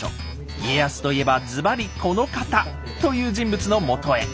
家康と言えばズバリこの方！という人物のもとへ。